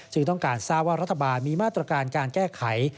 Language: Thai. ต้องการทราบว่ารัฐบาลมีมาตรการการแก้ไข